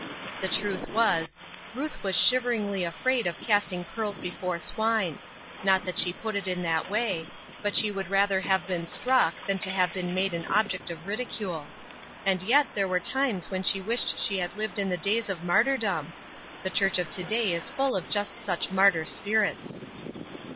The truth was, Ruth was shiveringly afraid of casting pearls before swine not that she put it in that way; but she would rather have been struck than to have been made an object of ridicule. And yet there were times when she wished she had lived in the days of martyrdom! The church of to day is full of just such martyr spirits!